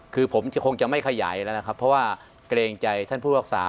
คือผมคงจะไม่ขยายแล้วนะครับเพราะว่าเกรงใจท่านผู้รักษา